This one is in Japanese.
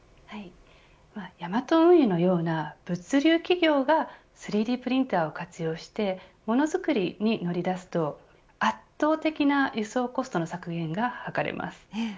ヤマト運輸のような物流企業が３Ｄプリンターを活用してものづくりに乗り出すと圧倒的な輸送コストの削減が図れます。